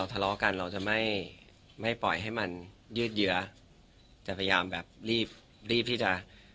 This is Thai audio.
ตอนนี้ก็สัญญามาตลอดนะ